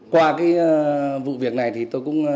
qua cái vụ việc này thì tôi cũng không có trả